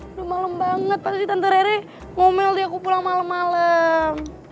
udah malem banget pas tante rere ngomel di aku pulang malem malem